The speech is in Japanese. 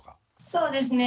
そうですね。